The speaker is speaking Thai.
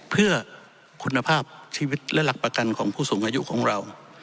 เพื่อคุณภาพชีวิตและหลักประกันของผู้สูงอายุของเรา